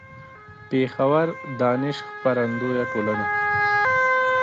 . پېښور: دانش خپرندويه ټولنه